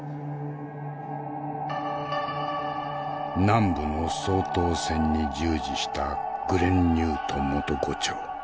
南部の掃討戦に従事したグレン・ニュート元伍長。